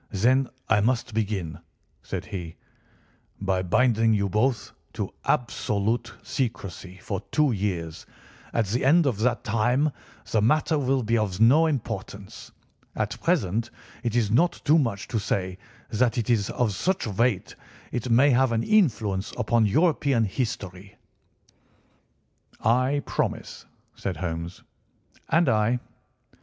"Then I must begin," said he, "by binding you both to absolute secrecy for two years; at the end of that time the matter will be of no importance. At present it is not too much to say that it is of such weight it may have an influence upon European history." "I promise," said Holmes. "And I."